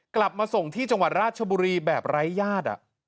กลับมาส่งที่จังหวัดราชบุรีแบบไร้ญาติ